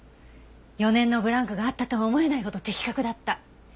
４年のブランクがあったとは思えないほど的確だった。